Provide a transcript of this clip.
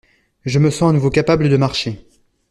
Je me sens à nouveau capable de marcher.